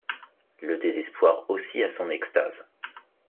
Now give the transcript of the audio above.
Le désespoir aussi a son extase.